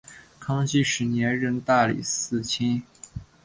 康熙十年任大理寺卿。